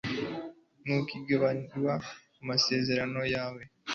Ntukibagirwe amasezerano yawe